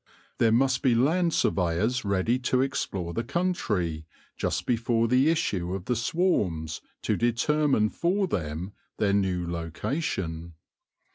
There must be land surveyors ready to explore the country, just before the issue of the swarms, to determine for them their new location.